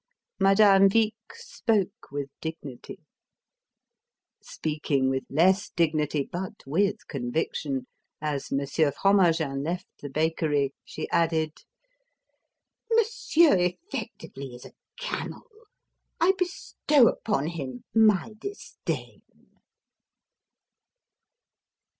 Madame Vic spoke with dignity. Speaking with less dignity, but with conviction as Monsieur Fromagin left the bakery she added: "Monsieur, effectively, is a camel! I bestow upon him my disdain!"